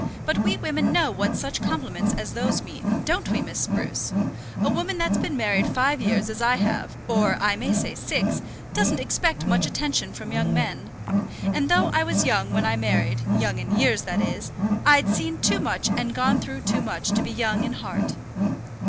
But we women know what such compliments as those mean; don't we, Miss Spruce? A woman that's been married five years as I have or I may say six, doesn't expect much attention from young men. And though I was young when I married young in years, that is, I'd seen too much and gone through too much to be young in heart."